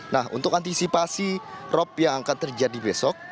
nah untuk antisipasi rop yang akan terjadi besok